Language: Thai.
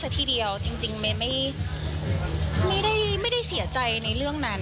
ที่ไม่ได้เสียใจในเรื่องนั้น